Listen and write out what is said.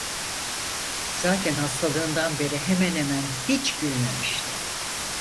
Zaten hastalığından beri hemen hemen hiç gülmemişti.